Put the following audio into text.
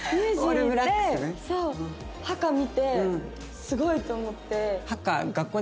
ハカ見てすごい！と思って。